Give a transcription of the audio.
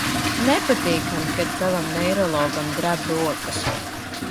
Nepatīkami, kad tavam neirologam dreb rokas.